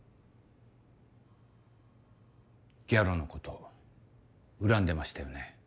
ギャロのこと恨んでましたよね。